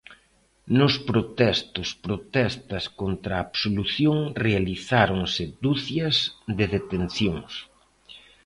Nos protestos protestas contra a absolución realizáronse ducias de detencións.